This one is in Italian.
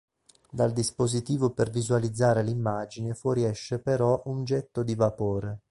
Dal dispositivo per visualizzare l'immagine fuoriesce però un getto di vapore.